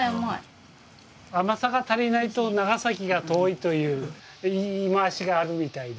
「甘さが足りないと長崎が遠い」という言い回しがあるみたいで。